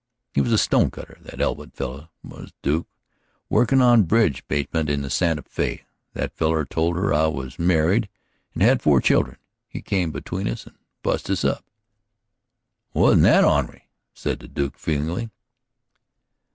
He was a stonecutter, that Elwood feller was, Duke, workin' on bridge 'butments on the Santa Fé. That feller told her I was married and had four children; he come between us and bust us up." "Wasn't he onery!" said the Duke, feelingly.